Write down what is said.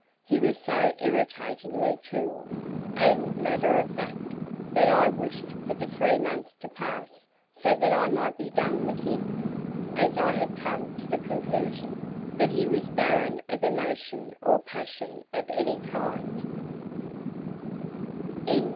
He was so irritatingly cool and matter of fact that I wished for the three months to pass so that I might be done with him, as I had come to the conclusion that he was barren of emotion or passion of any kind.